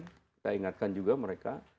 kita ingatkan juga mereka